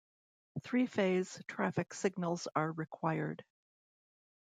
Three-phase traffic signals are required.